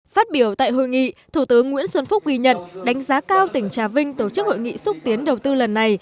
phát biểu tại hội nghị thủ tướng nguyễn xuân phúc ghi nhận đánh giá cao tỉnh trà vinh tổ chức hội nghị xúc tiến đầu tư lần này